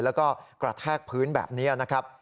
แล้วก็กระแทกพื้นแบบนี้นะครับ